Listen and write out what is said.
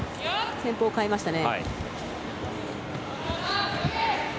戦法を変えましたね。